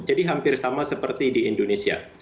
jadi hampir sama seperti di indonesia